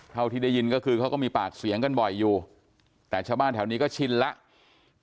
ที่ได้ยินก็คือเขาก็มีปากเสียงกันบ่อยอยู่แต่ชาวบ้านแถวนี้ก็ชินแล้ว